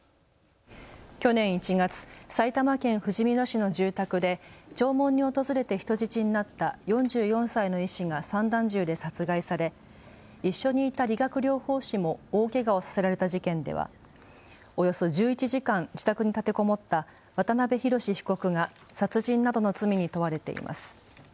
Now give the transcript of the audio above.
去年１月、埼玉県ふじみ野市の住宅で弔問に訪れて人質になった４４歳の医師が散弾銃で殺害され一緒にいた理学療法士も大けがをさせられた事件ではおよそ１１時間、自宅に立てこもった渡邊宏被告が殺人などの罪に問われています。